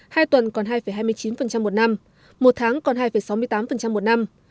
hai tuần còn hai hai mươi chín một năm một tháng còn hai sáu mươi tám một năm